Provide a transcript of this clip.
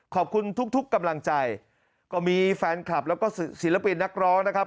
ขอบคุณทุกทุกกำลังใจก็มีแฟนคลับแล้วก็ศิลปินนักร้องนะครับ